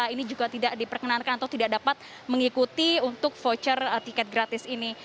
ini juga tidak diperkenankan atau tidak dapat mengikuti untuk voucher tiket gratis ini